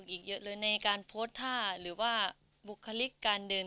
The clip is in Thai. เกี่ยวกับยาวของมัน